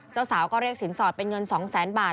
เจ้าสาวก็เรียกสินสอดเป็นเงิน๒แสนบาท